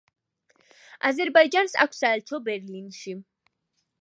აზერბაიჯანს აქვს საელჩო ბერლინში.